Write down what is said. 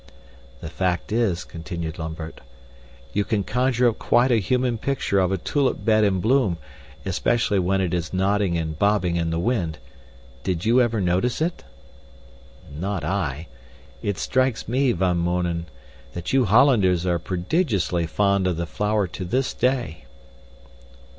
"The fact is," continued Lambert, "you can conjure up quite a human picture of a tulip bed in bloom, especially when it is nodding and bobbing in the wind. Did you ever notice it?" "Not I. It strikes me, Van Mounen, that you Hollanders are prodigiously fond of the flower to this day."